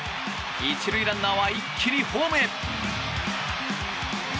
１塁ランナーは一気にホームへ！